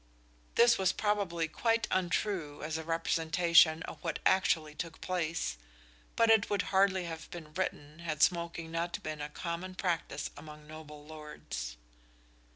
This was probably quite untrue as a representation of what actually took place; but it would hardly have been written had smoking not been a common practice among noble lords.